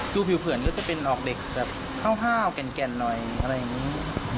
คือผิวเผื่อนก็จะเป็นออกเด็กแบบเฮ่ากันหน่อยอะไรอย่างนี้